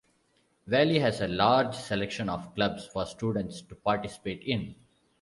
Valley has a large selection of clubs for students to participate in.